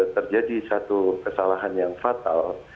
terjadi satu kesalahan yang fatal